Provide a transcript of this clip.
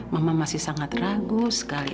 mama masih sangat ragu sekali